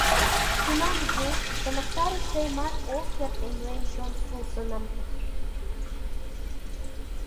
Тунам ю, сымыстарыше эмат Ок керт эмлен чон сусыным.